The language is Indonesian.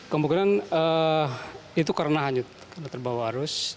kemungkinan itu karena hanyut karena terbawa arus